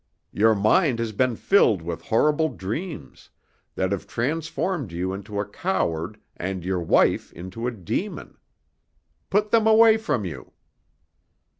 Your mind has been filled with horrible dreams, that have transformed you into a coward and your wife into a demon. Put them away from you."